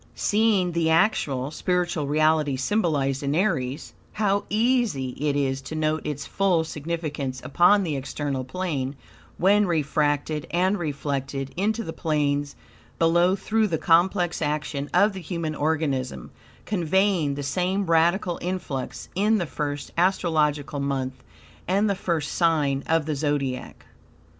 Seeing the actual, spiritual reality symbolized in Aries, how easy it is to note its full significance upon the external plane when refracted and reflected into the planes below through the complex action of the human organism, conveying the same radical influx in the first astrological month and the first sign of the Zodiac.